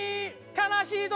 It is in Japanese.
悲しい時。